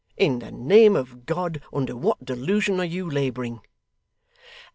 In the name of God, under what delusion are you labouring?